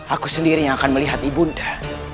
aku sendiri yang akan melihat ibu nda